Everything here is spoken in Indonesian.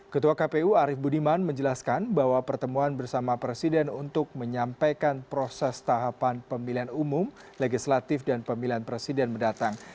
ketua kpu arief budiman menjelaskan bahwa pertemuan bersama presiden untuk menyampaikan proses tahapan pemilihan umum legislatif dan pemilihan presiden mendatang